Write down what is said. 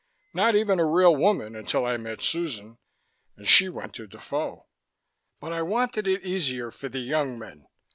Not even a real woman until I met Susan, and she went to Defoe. But I wanted it easier for the young men.